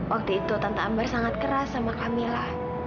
waktu itu tante ambar sangat keras sama kak mila